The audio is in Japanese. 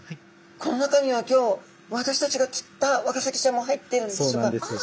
この中には今日私たちが釣ったワカサギちゃんも入ってるんでしょうか？